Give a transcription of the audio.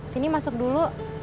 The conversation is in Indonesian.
tini masuk dulu